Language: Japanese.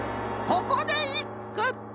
ここでいっく。